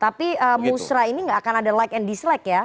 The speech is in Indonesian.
tapi musrah ini nggak akan ada like and dislike ya